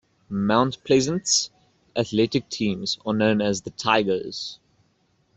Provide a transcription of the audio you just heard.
Mount Pleasant's athletic teams are known as the "Tigers".